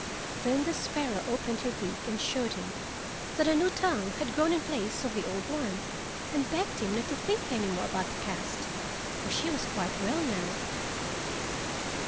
Then the sparrow opened her beak and showed him that a new tongue had grown in place of the old one, and begged him not to think any more about the past, for she was quite well now.